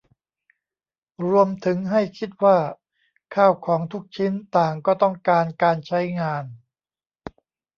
รวมถึงให้คิดว่าข้าวของทุกชิ้นต่างก็ต้องการการใช้งาน